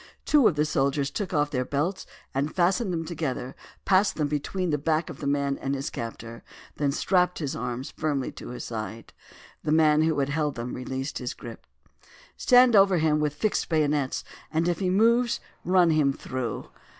Two of the soldiers took off their belts and fastened them together, passed them between the back of the man and his captor, and then strapped his arms firmly to his side. The man who held them then released his grip. "Stand over him with fixed bayonets, and if he moves run him through.